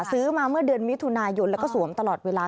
ซื้อมาเมื่อเดือนมิถุนายนแล้วก็สวมตลอดเวลา